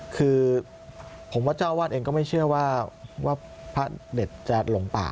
คือผมว่าเจ้าอาวาสเองก็ไม่เชื่อว่าพระเด็ดจะหลงป่า